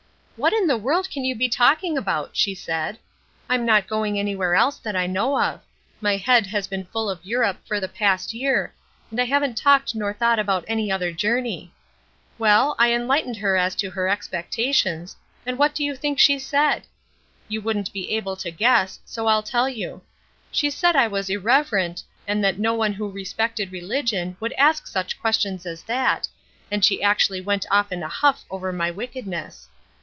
'What in the world can you be talking about?' she said. 'I'm not going anywhere else that I know of. My head has been full of Europe for the last year, and I haven't talked nor thought about any other journey.' Well, I enlightened her as to her expectations, and what do you think she said? You wouldn't be able to guess, so I'll tell you. She said I was irreverent, and that no one who respected religion would ask such questions as that, and she actually went off in a huff over my wickedness.